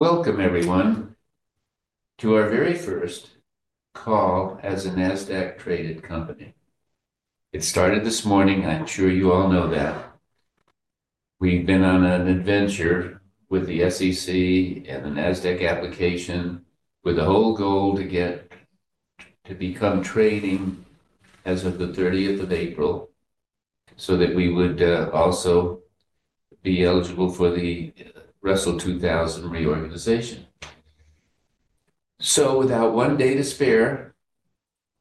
Welcome, everyone, to our very first call as a NASDAQ-traded company. It started this morning, I'm sure you all know that. We've been on an adventure with the SEC and the NASDAQ application, with the whole goal to get to become trading as of the 30th of April so that we would also be eligible for the Russell 2000 reorganization. Without one day to spare,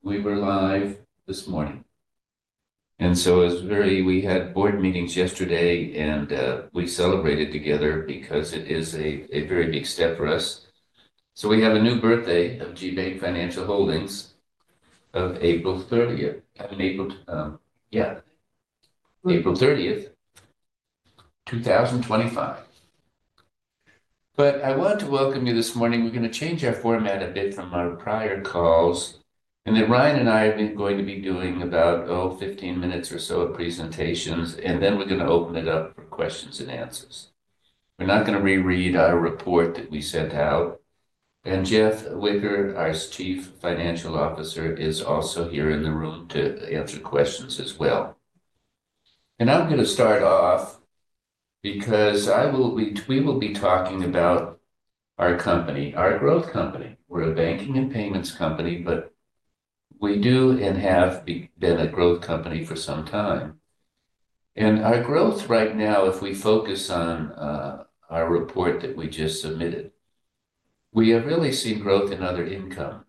we were live this morning. As very we had board meetings yesterday, and we celebrated together because it is a very big step for us. We have a new birthday of GBank Financial Holdings of April 30th. Yeah, April 30th, 2025. I want to welcome you this morning. We're going to change our format a bit from our prior calls, and Ryan and I are going to be doing about 15 minutes or so of presentations, and then we're going to open it up for questions and answers. We're not going to reread our report that we sent out. Jeff Whicker, our Chief Financial Officer, is also here in the room to answer questions as well. I'm going to start off because we will be talking about our company, our growth company. We're a banking and payments company, but we do and have been a growth company for some time. Our growth right now, if we focus on our report that we just submitted, we have really seen growth in other income.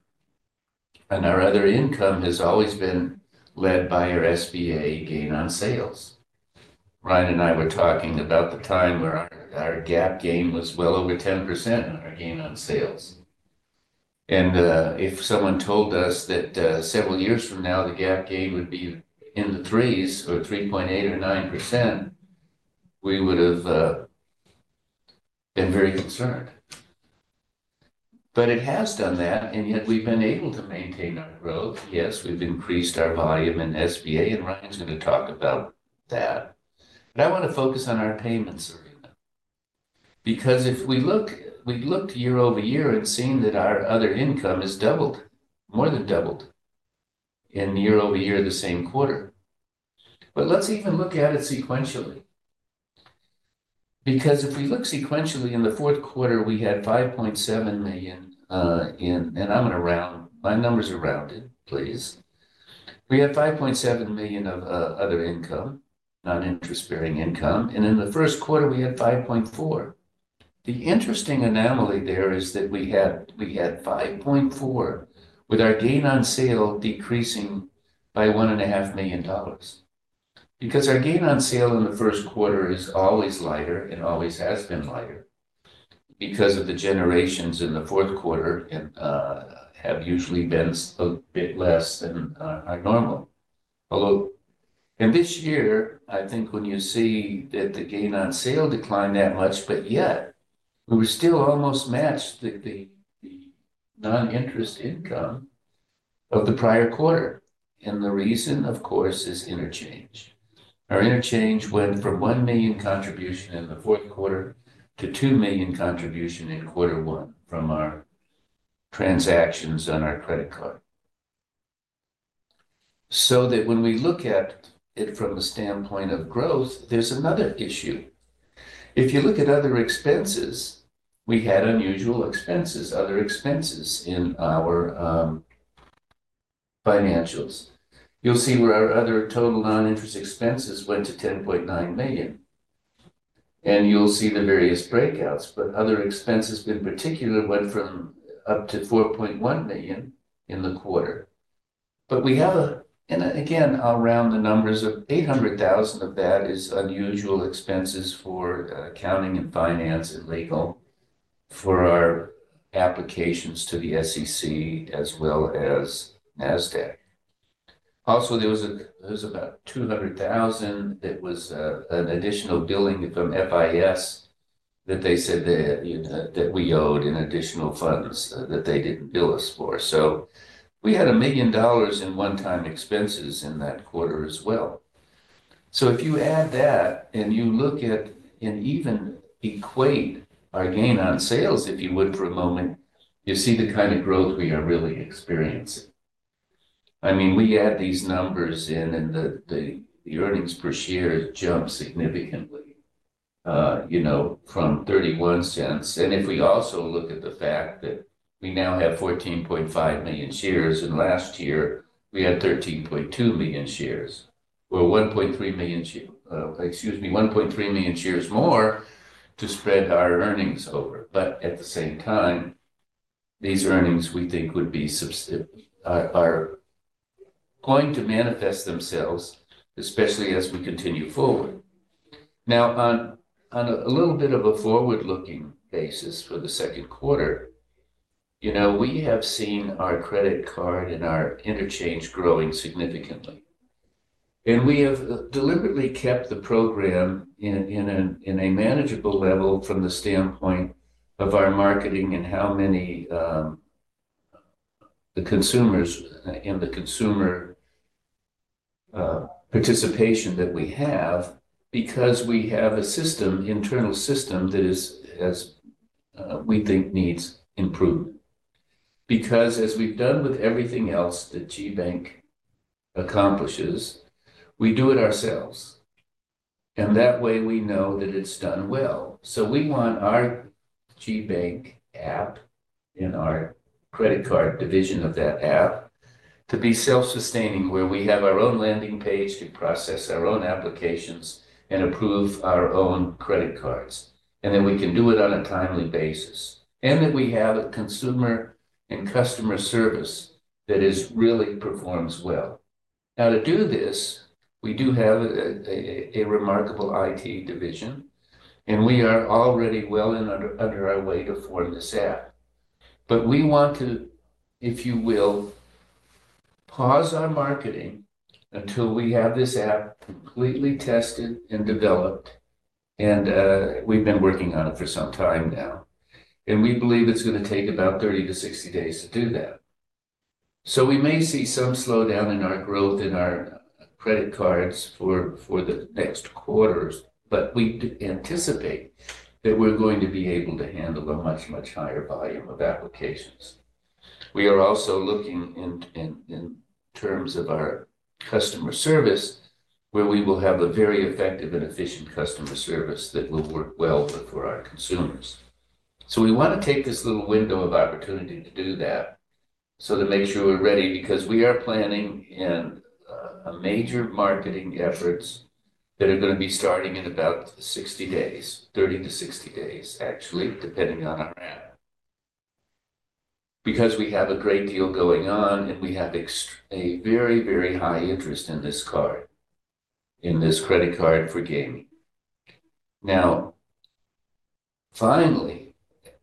Our other income has always been led by our SBA gain on sales. Ryan and I were talking about the time where our GAAP gain was well over 10% on our gain on sales. If someone told us that several years from now, the GAAP gain would be in the threes or 3.8 or 9%, we would have been very concerned. It has done that, and yet we've been able to maintain our growth. Yes, we've increased our volume in SBA, and Ryan's going to talk about that. I want to focus on our payments arena because if we look, we've looked year over year and seen that our other income has doubled, more than doubled in year over year the same quarter. Let's even look at it sequentially because if we look sequentially in the fourth quarter, we had $5.7 million, and I'm going to round my numbers around it, please. We had $5.7 million of other income, non-interest-bearing income. In the first quarter, we had $5.4 million. The interesting anomaly there is that we had $5.4 million with our gain on sale decreasing by $1.5 million because our gain on sale in the first quarter is always lighter and always has been lighter because of the generations in the fourth quarter have usually been a bit less than our normal. Although, in this year, I think when you see that the gain on sale declined that much, yet we were still almost matched the non-interest income of the prior quarter. The reason, of course, is interchange. Our interchange went from $1 million contribution in the fourth quarter to $2 million contribution in quarter one from our transactions on our credit card. When we look at it from the standpoint of growth, there is another issue. If you look at other expenses, we had unusual expenses, other expenses in our financials. You'll see where our other total non-interest expenses went to $10.9 million. You'll see the various breakouts, but other expenses in particular went from up to $4.1 million in the quarter. We have, and again, I'll round the numbers, $800,000 of that is unusual expenses for accounting and finance and legal for our applications to the SEC as well as NASDAQ. There was about $200,000 that was an additional billing from FIS that they said that we owed in additional funds that they didn't bill us for. We had $1 million in one-time expenses in that quarter as well. If you add that and you look at and even equate our gain on sales, if you would, for a moment, you see the kind of growth we are really experiencing. I mean, we add these numbers in and the earnings per share jump significantly from $0.31. If we also look at the fact that we now have 14.5 million shares and last year we had 13.2 million shares. We are 1.3 million shares, excuse me, 1.3 million shares more to spread our earnings over. At the same time, these earnings we think would be going to manifest themselves, especially as we continue forward. Now, on a little bit of a forward-looking basis for the second quarter, we have seen our credit card and our interchange growing significantly. We have deliberately kept the program at a manageable level from the standpoint of our marketing and how many consumers and the consumer participation that we have because we have a system, internal system that is, as we think, needs improvement. Because as we have done with everything else that GBank accomplishes, we do it ourselves. That way we know that it is done well. We want our GBank app and our credit card division of that app to be self-sustaining where we have our own landing page to process our own applications and approve our own credit cards. We can do it on a timely basis and we have a consumer and customer service that really performs well. To do this, we do have a remarkable IT division, and we are already well under our way to form this app. We want to, if you will, pause our marketing until we have this app completely tested and developed. We have been working on it for some time now. We believe it is going to take about 30-60 days to do that. We may see some slowdown in our growth in our credit cards for the next quarters, but we anticipate that we are going to be able to handle a much, much higher volume of applications. We are also looking in terms of our customer service where we will have a very effective and efficient customer service that will work well for our consumers. We want to take this little window of opportunity to do that to make sure we're ready because we are planning a major marketing effort that are going to be starting in about 60 days, 30 to 60 days, actually, depending on our app. Because we have a great deal going on and we have a very, very high interest in this card, in this credit card for gaming. Now, finally,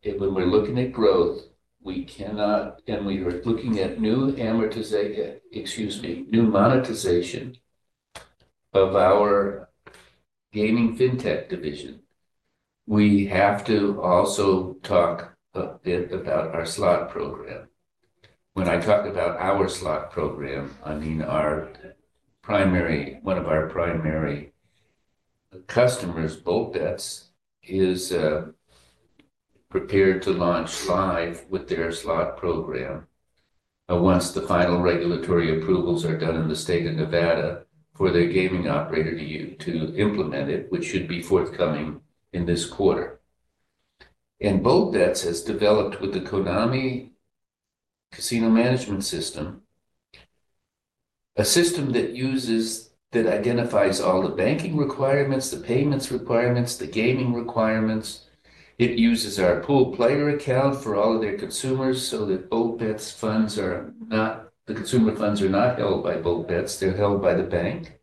when we're looking at growth, we cannot, and we are looking at new amortization, excuse me, new monetization of our gaming fintech division. We have to also talk a bit about our slot program. When I talk about our slot program, I mean our primary, one of our primary customers, BoltBetz, is prepared to launch live with their slot program once the final regulatory approvals are done in the state of Nevada for their gaming operator to implement it, which should be forthcoming in this quarter. BoltBetz has developed with the Konami Casino Management System, a system that identifies all the banking requirements, the payments requirements, the gaming requirements. It uses our pool player account for all of their consumers so that BoltBetz funds are not, the consumer funds are not held by BoltBetz. They're held by the bank.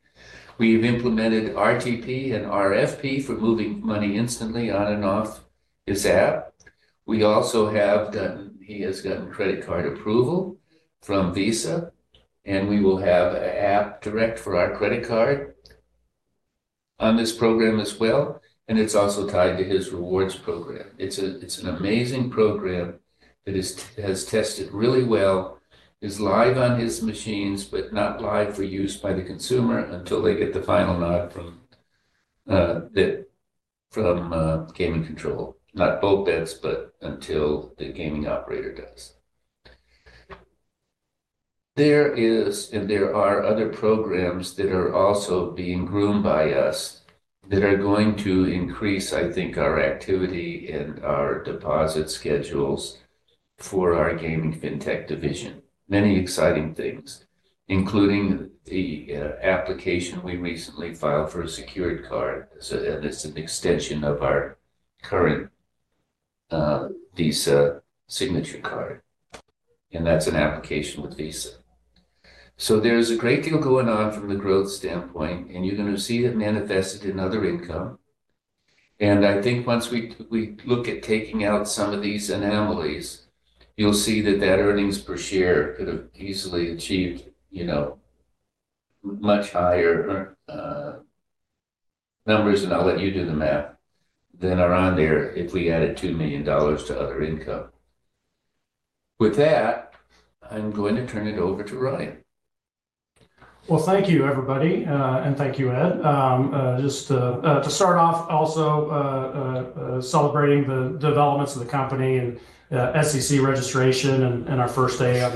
We have implemented RTP and RFP for moving money instantly on and off this app. We also have gotten, he has gotten credit card approval from Visa, and we will have an app direct for our credit card on this program as well. It is also tied to his rewards program. It is an amazing program that has tested really well, is live on his machines, but not live for use by the consumer until they get the final nod from Gaming Control, not BoltBetz, but until the gaming operator does. There are other programs that are also being groomed by us that are going to increase, I think, our activity and our deposit schedules for our gaming fintech division. Many exciting things, including the application we recently filed for a secured card, and it is an extension of our current Visa Signature Card. That is an application with Visa. There's a great deal going on from the growth standpoint, and you're going to see it manifested in other income. I think once we look at taking out some of these anomalies, you'll see that earnings per share could have easily achieved much higher numbers, and I'll let you do the math, than are on there if we added $2 million to other income. With that, I'm going to turn it over to Ryan. Thank you, everybody. Thank you, Ed. Just to start off, also celebrating the developments of the company and SEC registration and our first day on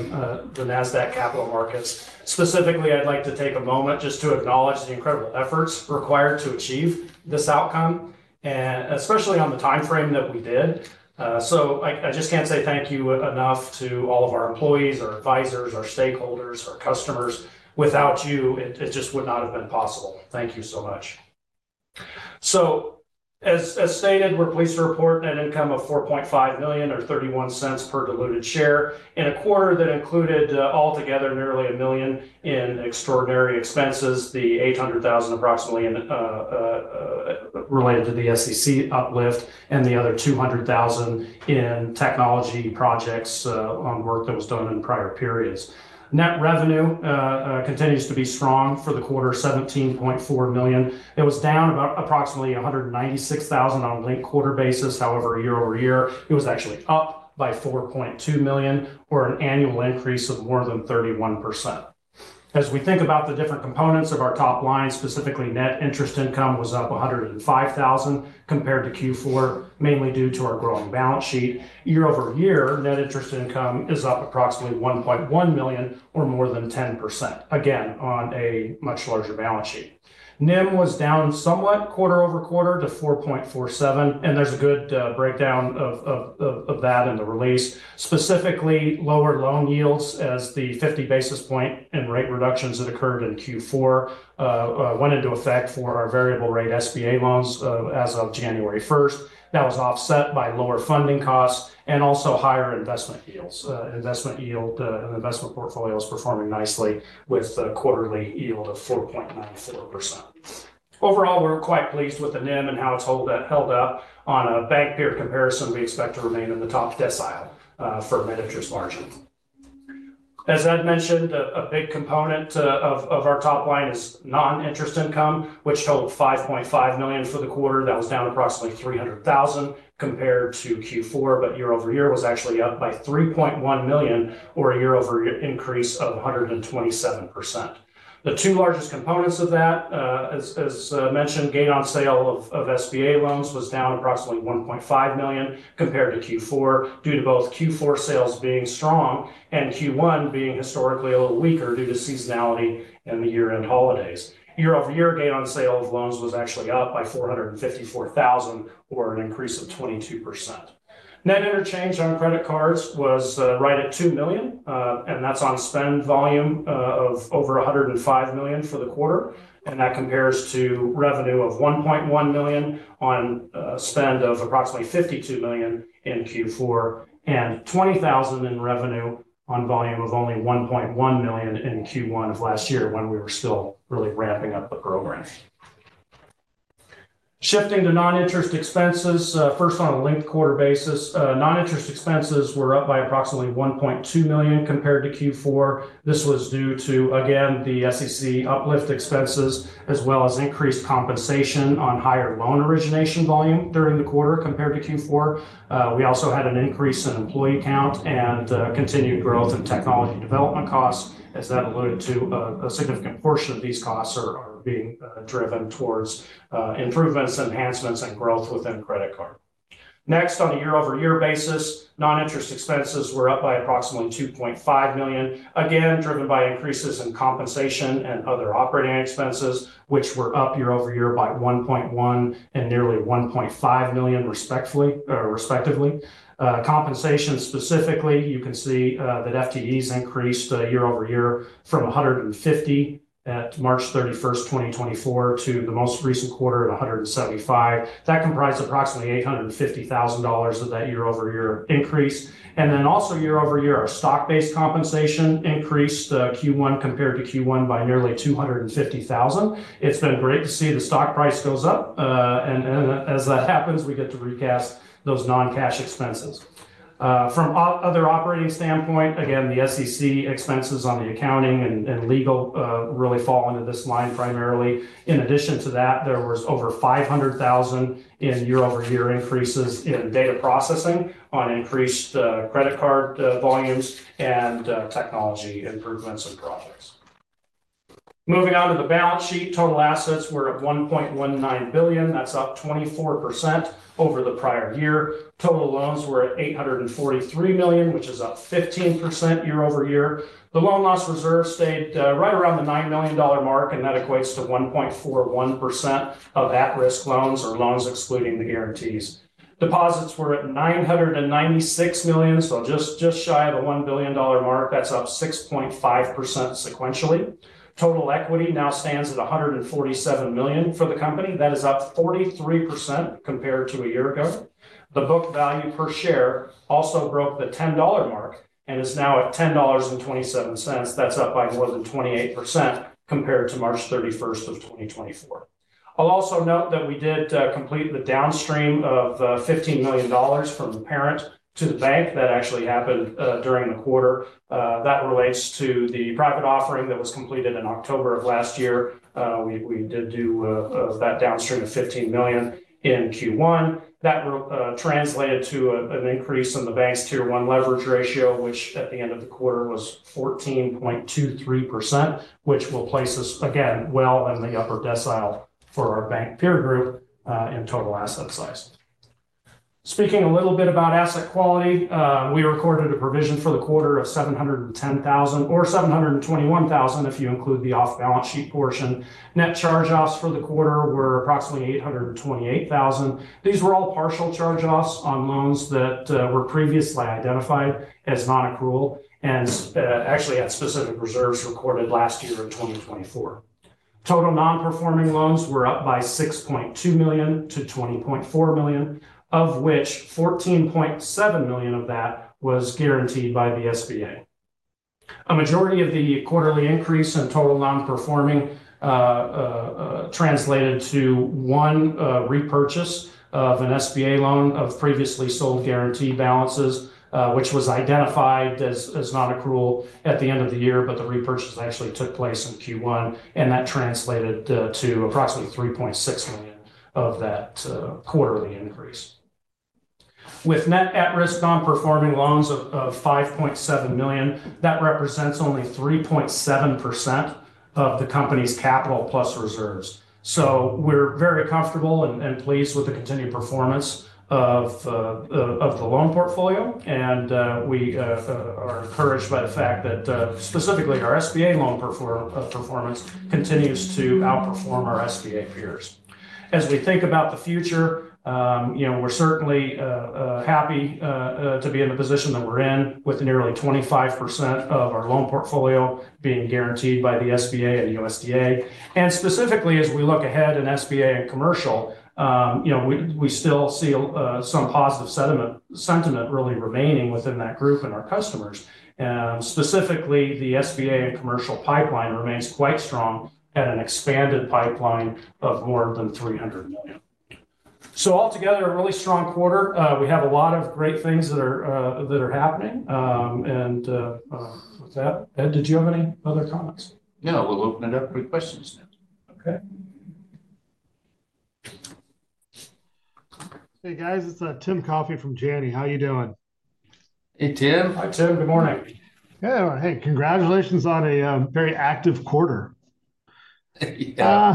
the NASDAQ capital markets. Specifically, I'd like to take a moment just to acknowledge the incredible efforts required to achieve this outcome, especially on the timeframe that we did. I just can't say thank you enough to all of our employees, our advisors, our stakeholders, our customers. Without you, it just would not have been possible. Thank you so much. As stated, we're pleased to report an income of $4.5 million or $0.31 per diluted share in a quarter that included altogether nearly $1 million in extraordinary expenses, the $800,000 approximately related to the SEC uplift and the other $200,000 in technology projects on work that was done in prior periods. Net revenue continues to be strong for the quarter, $17.4 million. It was down about approximately $196,000 on a link quarter basis. However, year over year, it was actually up by $4.2 million or an annual increase of more than 31%. As we think about the different components of our top line, specifically net interest income was up $105,000 compared to Q4, mainly due to our growing balance sheet. Year over year, net interest income is up approximately $1.1 million or more than 10%, again, on a much larger balance sheet. NIM was down somewhat quarter over quarter to 4.47%, and there's a good breakdown of that in the release. Specifically, lower loan yields as the 50 basis point and rate reductions that occurred in Q4 went into effect for our variable rate SBA loans as of January 1. That was offset by lower funding costs and also higher investment yields. Investment yield and investment portfolio is performing nicely with a quarterly yield of 4.94%. Overall, we're quite pleased with the NIM and how it's held up. On a bank peer comparison, we expect to remain in the top decile for net interest margin. As Ed mentioned, a big component of our top line is non-interest income, which totaled $5.5 million for the quarter. That was down approximately $300,000 compared to Q4, but year over year was actually up by $3.1 million or a year over year increase of 127%. The two largest components of that, as mentioned, gain on sale of SBA loans was down approximately $1.5 million compared to Q4 due to both Q4 sales being strong and Q1 being historically a little weaker due to seasonality and the year-end holidays. Year over year, gain on sale of loans was actually up by $454,000 or an increase of 22%. Net interchange on credit cards was right at $2 million, and that's on spend volume of over $105 million for the quarter. That compares to revenue of $1.1 million on spend of approximately $52 million in Q4 and $20,000 in revenue on volume of only $1.1 million in Q1 of last year when we were still really ramping up the program. Shifting to non-interest expenses, first on a link quarter basis, non-interest expenses were up by approximately $1.2 million compared to Q4. This was due to, again, the SEC uplift expenses as well as increased compensation on higher loan origination volume during the quarter compared to Q4. We also had an increase in employee count and continued growth in technology development costs, as that alluded to a significant portion of these costs are being driven towards improvements, enhancements, and growth within credit card. Next, on a year-over-year basis, non-interest expenses were up by approximately $2.5 million, again driven by increases in compensation and other operating expenses, which were up year-over-year by $1.1 million and nearly $1.5 million respectively. Compensation specifically, you can see that FTEs increased year-over-year from 150 at March 31, 2024, to the most recent quarter of 175. That comprised approximately $850,000 of that year-over-year increase. Also year-over-year, our stock-based compensation increased Q1 compared to Q1 by nearly $250,000. It's been great to see the stock price goes up. As that happens, we get to recast those non-cash expenses. From other operating standpoint, again, the SEC expenses on the accounting and legal really fall into this line primarily. In addition to that, there was over $500,000 in year-over-year increases in data processing on increased credit card volumes and technology improvements and projects. Moving on to the balance sheet, total assets were at $1.19 billion. That's up 24% over the prior year. Total loans were at $843 million, which is up 15% year-over-year. The loan loss reserve stayed right around the $9 million mark, and that equates to 1.41% of at-risk loans or loans excluding the guarantees. Deposits were at $996 million, so just shy of a $1 billion mark. That's up 6.5% sequentially. Total equity now stands at $147 million for the company. That is up 43% compared to a year ago. The book value per share also broke the $10 mark and is now at $10.27. That's up by more than 28% compared to March 31, 2024. I'll also note that we did complete the downstream of $15 million from the parent to the bank. That actually happened during the quarter. That relates to the private offering that was completed in October of last year. We did do that downstream of $15 million in Q1. That translated to an increase in the bank's tier one leverage ratio, which at the end of the quarter was 14.23%, which will place us, again, well in the upper decile for our bank peer group in total asset size. Speaking a little bit about asset quality, we recorded a provision for the quarter of $710,000 or $721,000 if you include the off-balance sheet portion. Net charge-offs for the quarter were approximately $828,000. These were all partial charge-offs on loans that were previously identified as non-accrual and actually had specific reserves recorded last year in 2024. Total non-performing loans were up by $6.2 million to $20.4 million, of which $14.7 million of that was guaranteed by the SBA. A majority of the quarterly increase in total non-performing translated to one repurchase of an SBA loan of previously sold guarantee balances, which was identified as non-accrual at the end of the year, but the repurchase actually took place in Q1, and that translated to approximately $3.6 million of that quarterly increase. With net at-risk non-performing loans of $5.7 million, that represents only 3.7% of the company's capital plus reserves. We are very comfortable and pleased with the continued performance of the loan portfolio, and we are encouraged by the fact that specifically our SBA loan performance continues to outperform our SBA peers. As we think about the future, we're certainly happy to be in the position that we're in with nearly 25% of our loan portfolio being guaranteed by the SBA and USDA. Specifically, as we look ahead in SBA and commercial, we still see some positive sentiment really remaining within that group and our customers. Specifically, the SBA and commercial pipeline remains quite strong at an expanded pipeline of more than $300 million. Altogether, a really strong quarter. We have a lot of great things that are happening. With that, Ed, did you have any other comments? No. We'll open it up for questions now. Okay. Hey, guys. It's Tim Coffey from Janney. How are you doing? Hey, Tim. Hi, Tim. Good morning. Yeah. Hey, congratulations on a very active quarter. Thank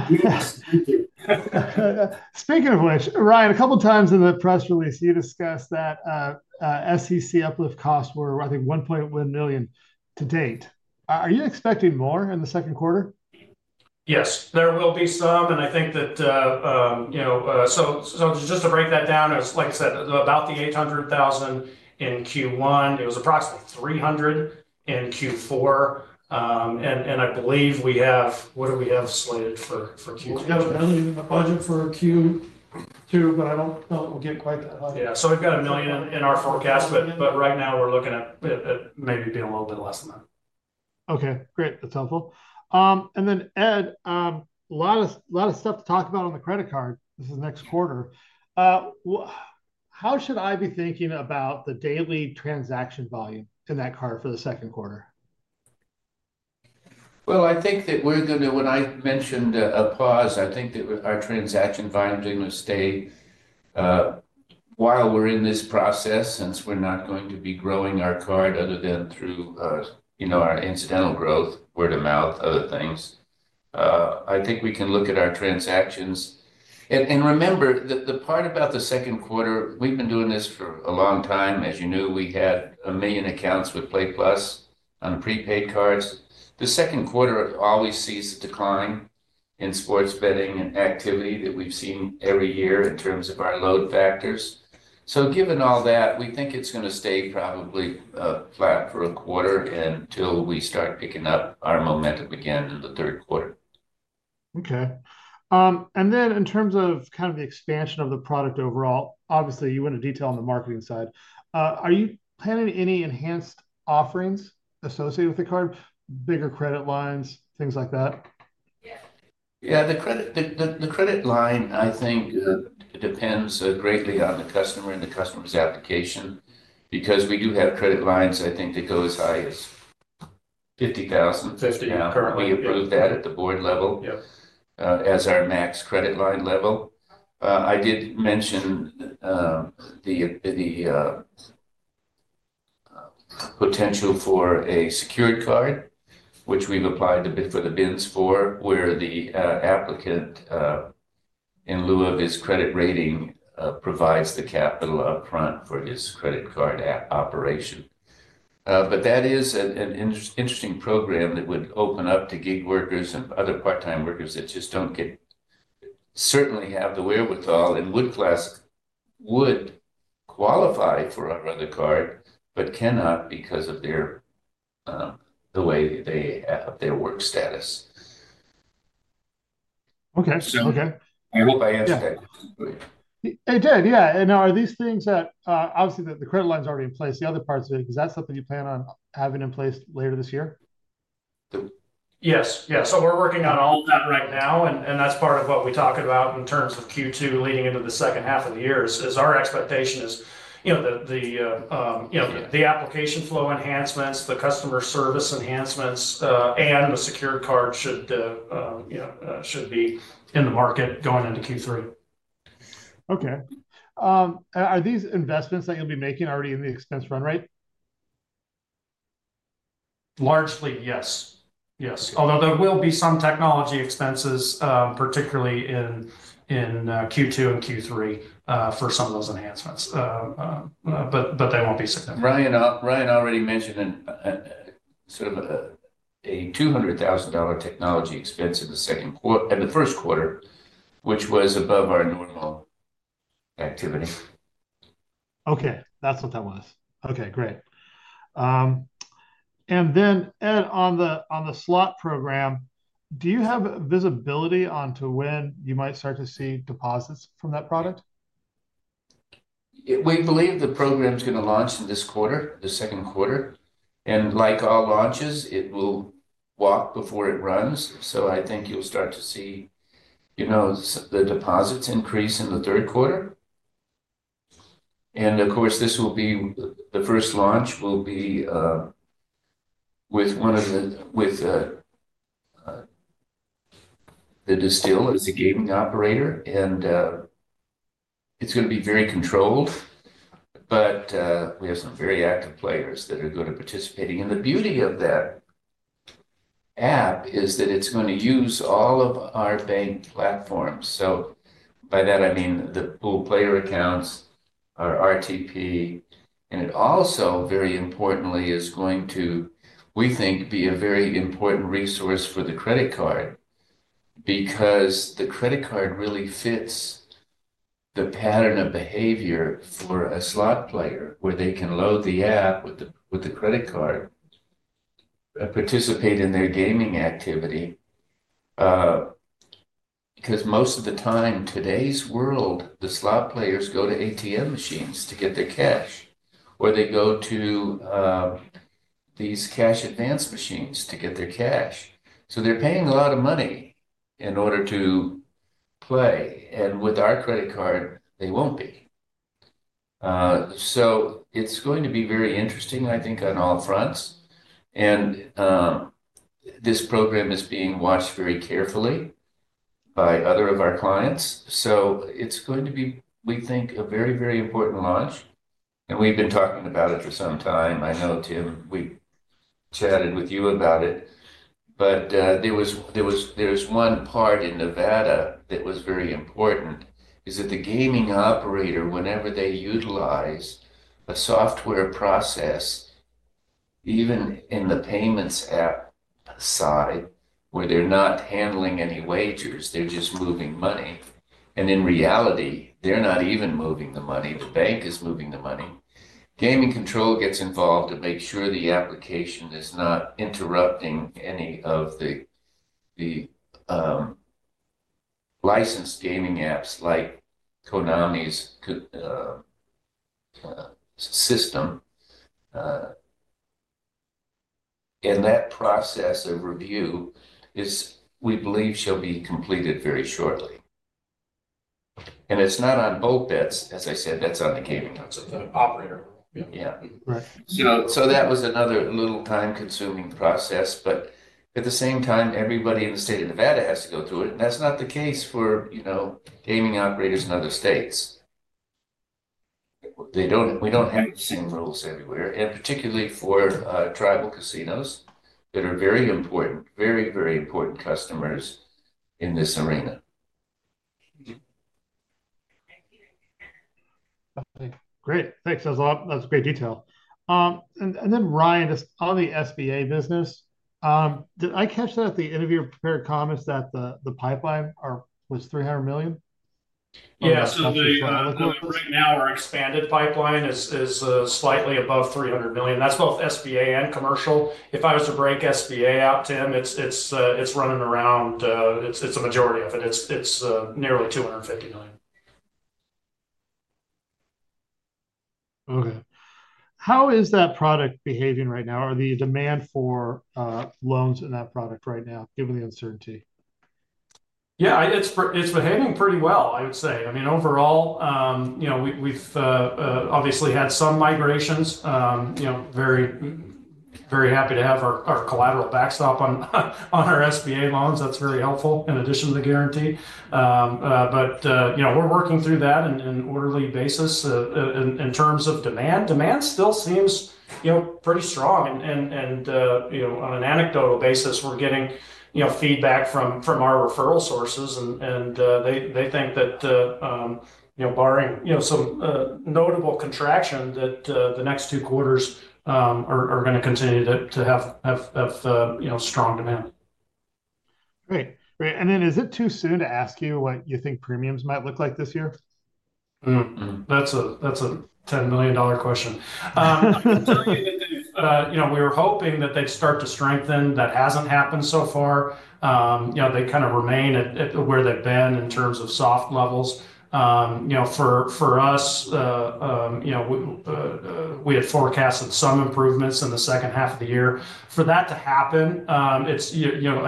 you. Speaking of which, Ryan, a couple of times in the press release, you discussed that SEC uplift costs were, I think, $1.1 million to date. Are you expecting more in the second quarter? Yes. There will be some. I think that, just to break that down, it was, like I said, about $800,000 in Q1. It was approximately $300,000 in Q4. I believe we have, what do we have slated for Q2? We've got $1 million in the budget for Q2, but I don't know that we'll get quite that high. Yeah. We've got a million in our forecast, but right now, we're looking at maybe being a little bit less than that. Okay. Great. That's helpful. Ed, a lot of stuff to talk about on the credit card this next quarter. How should I be thinking about the daily transaction volume in that card for the second quarter? I think that we're going to, when I mentioned a pause, I think that our transaction volume is going to stay while we're in this process since we're not going to be growing our card other than through our incidental growth, word of mouth, other things. I think we can look at our transactions. Remember that the part about the second quarter, we've been doing this for a long time. As you knew, we had a million accounts with PlayPlus on prepaid cards. The second quarter always sees a decline in sports betting and activity that we've seen every year in terms of our load factors. Given all that, we think it's going to stay probably flat for a quarter until we start picking up our momentum again in the third quarter. Okay. In terms of kind of the expansion of the product overall, obviously, you went into detail on the marketing side. Are you planning any enhanced offerings associated with the card? Bigger credit lines, things like that? Yeah. The credit line, I think, depends greatly on the customer and the customer's application because we do have credit lines, I think, that go as high as $50,000. 50, currently. Now, we approve that at the board level as our max credit line level. I did mention the potential for a secured card, which we've applied the bid for the bins for, where the applicant, in lieu of his credit rating, provides the capital upfront for his credit card operation. That is an interesting program that would open up to gig workers and other part-time workers that just don't certainly have the wherewithal and would qualify for our other card but cannot because of the way they have their work status. Okay. Okay. I hope I answered that question for you. It did. Yeah. Now, are these things that obviously, the credit line's already in place. The other parts of it, is that something you plan on having in place later this year? Yes. Yeah. We are working on all of that right now. That is part of what we talk about in terms of Q2 leading into the second half of the year. Our expectation is the application flow enhancements, the customer service enhancements, and the secured card should be in the market going into Q3. Okay. Are these investments that you'll be making already in the expense run rate? Largely, yes. Yes. Although there will be some technology expenses, particularly in Q2 and Q3 for some of those enhancements, but they won't be significant. Ryan already mentioned sort of a $200,000 technology expense in the second quarter and the first quarter, which was above our normal activity. Okay. That's what that was. Okay. Great. And then, Ed, on the slot program, do you have visibility onto when you might start to see deposits from that product? We believe the program's going to launch in this quarter, the second quarter. Like all launches, it will walk before it runs. I think you'll start to see the deposits increase in the third quarter. Of course, this will be the first launch with the Distill as a gaming operator. It's going to be very controlled, but we have some very active players that are good at participating. The beauty of that app is that it's going to use all of our bank platforms. By that, I mean the pool player accounts, our RTP. It also, very importantly, is going to, we think, be a very important resource for the credit card because the credit card really fits the pattern of behavior for a slot player where they can load the app with the credit card, participate in their gaming activity. Most of the time in today's world, the slot players go to ATM machines to get their cash, or they go to these cash advance machines to get their cash. They are paying a lot of money in order to play. With our credit card, they will not be. It is going to be very interesting, I think, on all fronts. This program is being watched very carefully by other of our clients. It is going to be, we think, a very, very important launch. We have been talking about it for some time. I know, Tim, we chatted with you about it. There was one part in Nevada that was very important, which is that the gaming operator, whenever they utilize a software process, even in the payments app side where they're not handling any wagers, they're just moving money. In reality, they're not even moving the money. The bank is moving the money. Gaming control gets involved to make sure the application is not interrupting any of the licensed gaming apps like Konami's system. That process of review, we believe, shall be completed very shortly. It's not on BoltBetz. As I said, that's on the gaming operator. That was another little time-consuming process. At the same time, everybody in the state of Nevada has to go through it. That's not the case for gaming operators in other states. We do not have the same rules everywhere, and particularly for tribal casinos that are very important, very, very important customers in this arena. Okay. Great. Thanks. That's great detail. Then, Ryan, on the SBA business, did I catch that at the interview of Prepared Comments that the pipeline was $300 million? Yeah. Right now, our expanded pipeline is slightly above $300 million. That's both SBA and commercial. If I was to break SBA out, Tim, it's running around. It's a majority of it. It's nearly $250 million. Okay. How is that product behaving right now? Or the demand for loans in that product right now, given the uncertainty? Yeah. It's behaving pretty well, I would say. I mean, overall, we've obviously had some migrations. Very happy to have our collateral backstop on our SBA loans. That's very helpful in addition to the guarantee. We're working through that on an orderly basis. In terms of demand, demand still seems pretty strong. On an anecdotal basis, we're getting feedback from our referral sources. They think that, barring some notable contraction, the next two quarters are going to continue to have strong demand. Great. Great. Is it too soon to ask you what you think premiums might look like this year? That's a $10 million question. I can tell you that we were hoping that they'd start to strengthen. That hasn't happened so far. They kind of remain at where they've been in terms of soft levels. For us, we had forecasted some improvements in the second half of the year. For that to happen, I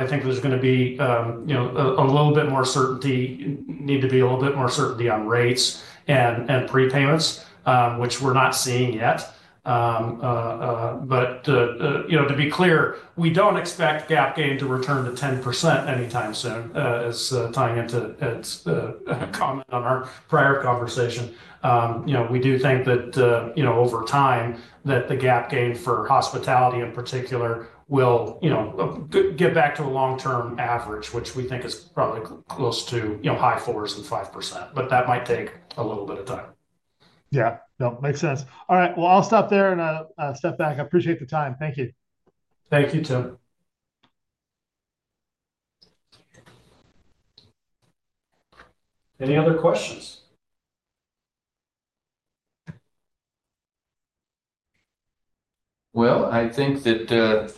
think there's going to be a little bit more certainty, need to be a little bit more certainty on rates and prepayments, which we're not seeing yet. To be clear, we don't expect gap gain to return to 10% anytime soon, as tying into Ed's comment on our prior conversation. We do think that over time, that the gap gain for hospitality in particular will get back to a long-term average, which we think is probably close to high fours and 5%. That might take a little bit of time. Yeah. No, makes sense. All right. I'll stop there and step back. I appreciate the time. Thank you. Thank you, Tim. Any other questions? I think that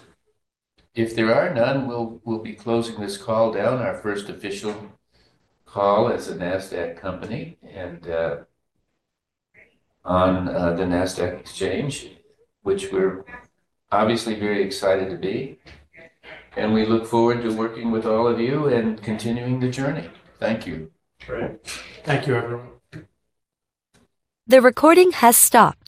if there are none, we'll be closing this call down, our first official call as a NASDAQ company on the NASDAQ Exchange, which we're obviously very excited to be. We look forward to working with all of you and continuing the journey. Thank you. Great. Thank you, everyone. The recording has stopped.